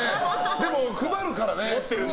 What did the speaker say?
でも配るからね。